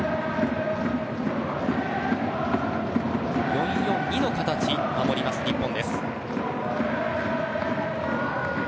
４−４−２の形守ります、日本。